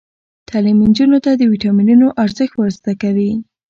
تعلیم نجونو ته د ویټامینونو ارزښت ور زده کوي.